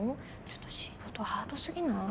ちょっと仕事ハードすぎない？